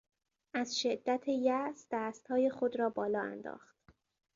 از شدت یاس دستهای خود را بالا انداخت.